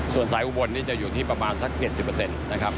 ส่วนสายอุบวนจะอยู่ที่ประมาณสัก๗๐